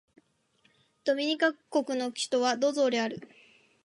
ドミニカ国の首都はロゾーである